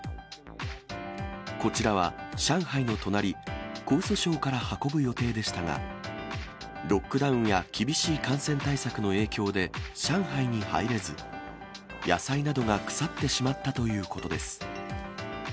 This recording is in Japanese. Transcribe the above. こちらは、上海の隣、江蘇省から運ぶ予定でしたが、ロックダウンや厳しい感染対策の影響で上海に入れず、野菜などが腐ってしまったということです。